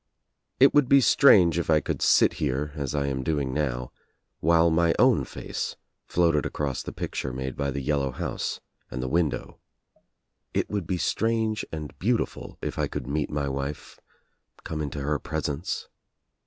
It would be strange if I could sit here, as I am doing now, while my own face floated across the picture made by the yellow house and the window. It would be strange and beautiful if I could meet my wife, come into her presence.